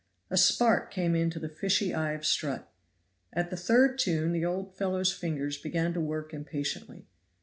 A spark came into the fishy eye of Strutt. At the third tune the old fellow's fingers began to work impatiently.